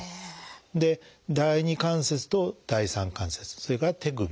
で第二関節と第三関節それから手首。